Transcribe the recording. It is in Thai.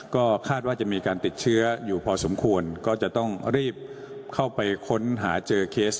ก็คาดว่าจะมีการติดเชื้ออยู่พอสมควรก็จะต้องรีบเข้าไปค้นหาเจอเคส